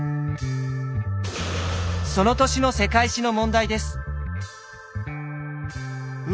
その年の世界史の問題です。